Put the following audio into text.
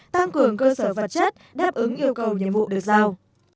tăng cường cơ sở vật chất đáp ứng yêu cầu nhiệm vụ được giao